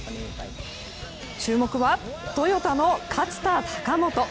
注目はトヨタの勝田貴元。